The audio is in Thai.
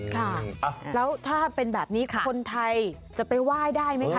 ค่ะแล้วถ้าเป็นแบบนี้คนไทยจะไปไหว้ได้ไหมคะ